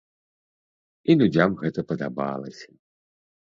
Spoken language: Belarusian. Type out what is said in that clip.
І людзям гэта падабалася.